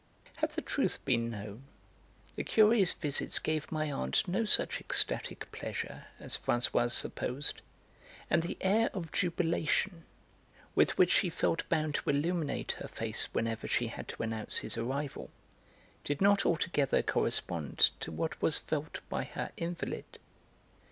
Had the truth been known, the Curé's visits gave my aunt no such ecstatic pleasure as Françoise supposed, and the air of jubilation with which she felt bound to illuminate her face whenever she had to announce his arrival, did not altogether correspond to what was felt by her invalid.